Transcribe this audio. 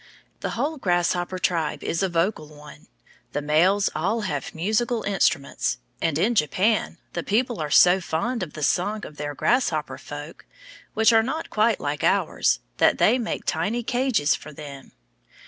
The whole grasshopper tribe is a vocal one; the males all have musical instruments, and in Japan, the people are so fond of the song of their grasshopper folk, which are not quite like ours, that they make tiny cages for them.